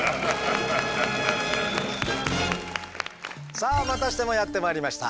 さあまたしてもやって参りました。